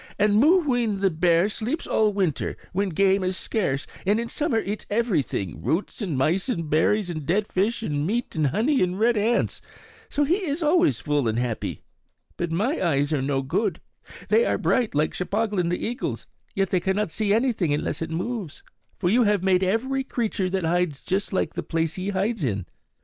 And Mooween the bear sleeps all winter, when game is scarce, and in summer eats everything, roots and mice and berries and dead fish and meat and honey and red ants. So he is always full and happy. But my eyes are no good; they are bright, like Cheplahgan the eagle's, yet they cannot see anything unless it moves; for you have made every creature that hides just like the place he hides in.